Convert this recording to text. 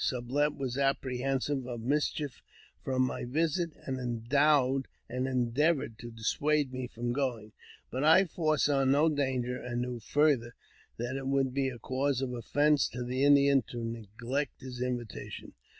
Sublet was ap JAMES P. BECKWOUBTH. 373 prehensive of mischief from my visit, and endeavoured to dissuade me from going ; but I foresaw no danger, and knew, farther, that it would be a cause of offence to the Indian to neglect his invitation.